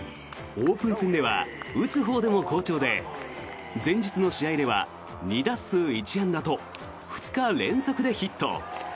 オープン戦では打つほうでも好調で前日の試合では２打数１安打と２日連続でヒット。